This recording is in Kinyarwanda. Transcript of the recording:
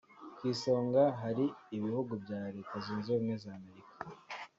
Ku isonga hari ibihugu bya Leta Zunze Ubumwe za Amerika